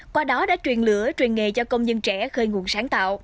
qua đó đã truyền lửa truyền nghề cho công nhân trẻ khơi nguồn sáng tạo